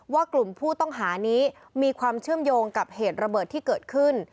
ว่ากลุ่มผู้ต้องหานี้มีความเชื่อมโยงกับเหตุระเบิดที่เกิดขึ้น